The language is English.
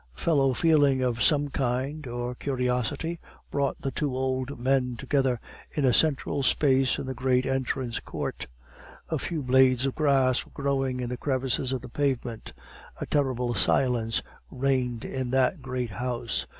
Fellow feeling of some kind, or curiosity, brought the two old men together in a central space in the great entrance court. A few blades of grass were growing in the crevices of the pavement; a terrible silence reigned in that great house.